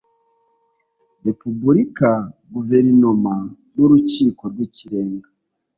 Repubulika Guverinoma n Urukiko rw Ikirenga